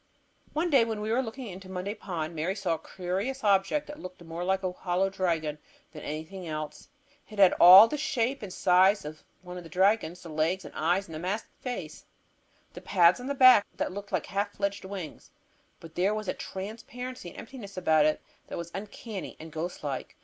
One day when we were looking into Monday Pond, Mary saw a curious object that looked more like a hollow dragon than anything else. It had all the shape and size of one of the dragons; the legs and eyes and masked face, the pads on the back that looked like half fledged wings. But there was a transparency and emptiness about it that was uncanny and ghost like.